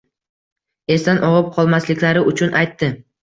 Esdan og‘ib qolmasliklari uchun aytdi.